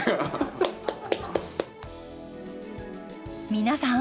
皆さん